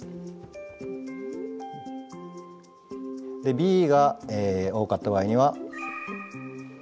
Ｂが多かった場合には。